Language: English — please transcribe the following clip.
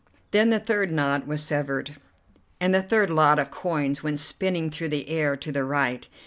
Then the third knot was severed, and the third lot of coins went spinning through the air to the right.